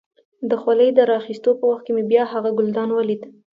د خولۍ د را اخيستو په وخت کې مې بیا هغه ګلدان ولید.